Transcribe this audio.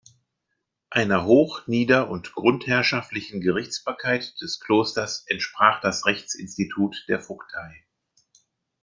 Einer hoch-, nieder- und grundherrschaftlichen Gerichtsbarkeit des Klosters entsprach das Rechtsinstitut der Vogtei.